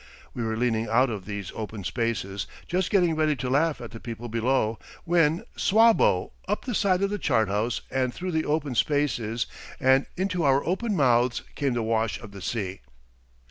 We were leaning out of these open spaces, just getting ready to laugh at the people below when, swabbo! up the side of the chart house and through the open spaces and into our open mouths came the wash of the sea.